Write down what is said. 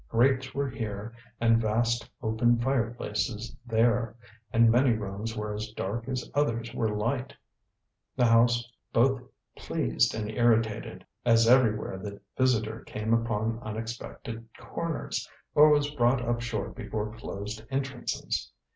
Grates were here, and vast open fireplaces there, and many rooms were as dark as others were light. The house both pleased and irritated, as everywhere the visitor came upon unexpected corners, or was brought up short before closed entrances.